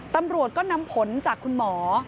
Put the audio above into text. ตำรวจก็นำผลจากคุณหมอ